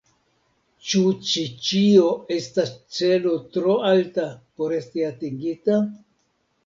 Ĉu ĉi ĉio estas celo tro alta por esti atingita?